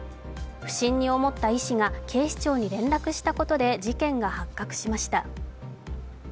不審に思った医師が警視庁に連絡したことで事件が発覚しました。